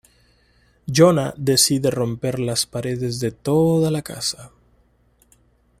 Jonah decide romper las paredes de toda la casa.